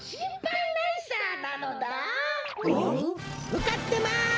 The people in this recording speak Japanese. むかってます！